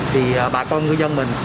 thì bà con ngư dân mình